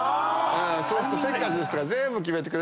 そうするとせっかちな人が全部決めてくれるから。